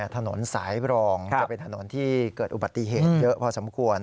ถนนสายบรองจะเป็นถนนที่เกิดอุบัติเหตุเยอะพอสมควร